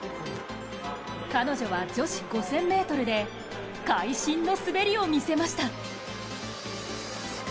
彼女は女子５０００ｍで会心の滑りを見せました。